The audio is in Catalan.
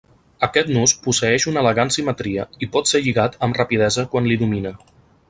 Aquest nus posseeix una elegant simetria i pot ser lligat amb rapidesa quan l'hi domina.